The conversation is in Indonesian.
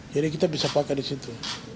jadi kita bisa pakai di situ